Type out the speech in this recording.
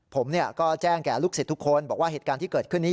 ผมก็แจ้งแก่ลูกศิษย์ทุกคนบอกว่าเหตุการณ์ที่เกิดขึ้นนี้